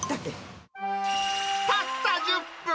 たった１０分。